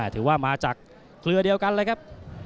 ถือว่ามาจากเครือเดียวกันเลยครับ